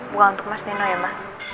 bukan untuk mas nino ya ma